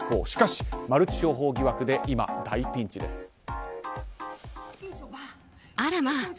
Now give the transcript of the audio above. しかし、マルチ商法疑惑で今、大ピンチです。